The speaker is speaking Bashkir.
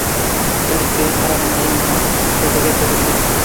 Элеккегә ҡарағанда ла нығыраҡ үкерергә керешә.